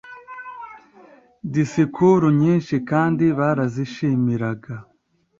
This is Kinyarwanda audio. disikuru nyinshi kandi barazishimiraga